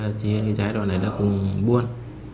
thấy là chị hiền giai đoạn này đã cũng buồn